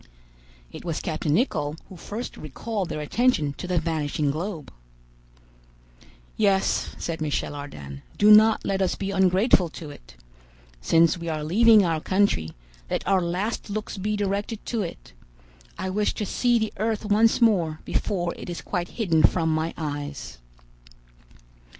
It was captain Nicholl who first recalled their attention to the vanishing globe. "Yes," said Michel Ardan, "do not let us be ungrateful to it. Since we are leaving our country, let our last looks be directed to it. I wish to see the earth once more before it is quite hidden from my eyes."